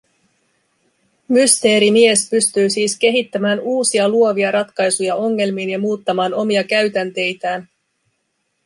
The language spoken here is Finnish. Mysteerimies pystyi siis kehittämään uusia luovia ratkaisuja ongelmiin ja muuttamaan omia käytänteitään.